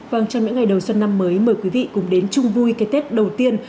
vâng trong những ngày đầu xuân năm mới mời quý vị cùng đến chung vui cái tết đầu tiên